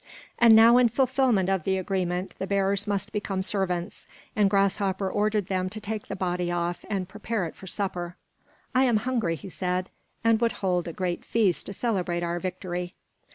And now in fulfilment of the agreement the bears must become servants, and Grasshopper ordered them to take the body off and prepare it for supper. "I am hungry," he said, "and would hold a great feast to celebrate our victory."